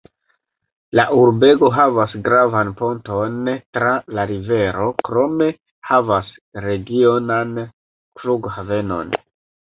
La urbego havas gravan ponton tra la rivero krome havas regionan flughavenon.